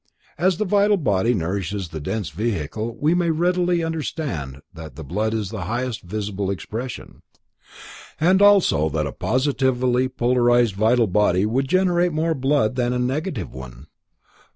As the vital body nourishes the dense vehicle, we may readily understand that blood is its highest visible expression, and also that a positively polarized vital body would generate more blood than a negative one.